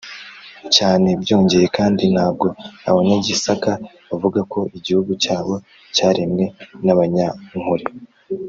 cyane. byongeya kandi ntabwo abanyagisaka bavuga ko igihugu cyabo cyaremwe n’abanyankore,